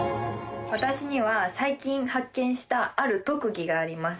私には最近発見したある特技があります